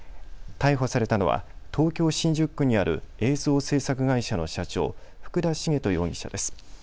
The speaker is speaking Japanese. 逮捕されたのは東京新宿区にある映像制作会社の社長、福田茂人容疑者です。